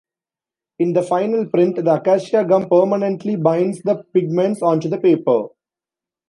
In the final print, the acacia gum permanently binds the pigments onto the paper.